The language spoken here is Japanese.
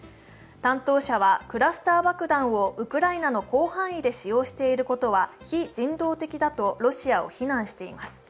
担当者は、クラスター爆弾をウクライナの広範囲で使用していることは非人道的だとロシアを非難しています。